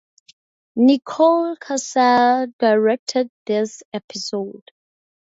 Nicole Kassell directed this episode.